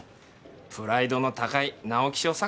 プライドの高い直木賞作家様だからな。